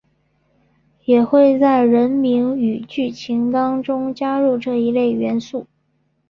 也会在人名与剧情当中加入这一类元素。